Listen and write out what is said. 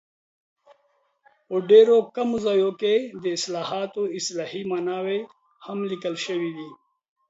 په ډېرو کمو ځایونو کې د اصطلاحاتو اصطلاحي ماناوې هم لیکل شوي دي.